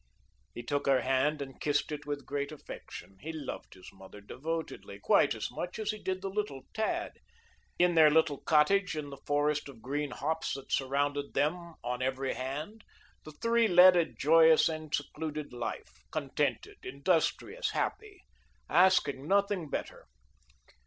He took her hand and kissed it with great affection. He loved his mother devotedly, quite as much as he did the little tad. In their little cottage, in the forest of green hops that surrounded them on every hand, the three led a joyous and secluded life, contented, industrious, happy, asking nothing better.